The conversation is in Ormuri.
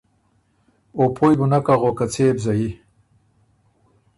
او پویٛ بُو نک اغوک که څۀ يې بو زيي۔